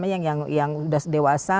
yang sudah dewasa